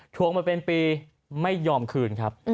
วงมาเป็นปีไม่ยอมคืนครับ